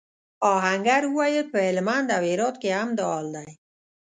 آهنګر وویل پهلمند او هرات کې هم دا حال دی.